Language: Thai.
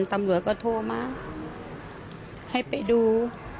ตำรวจก็โทรมาให้ไปดู